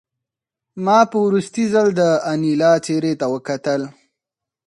ما په وروستي ځل د انیلا څېرې ته وکتل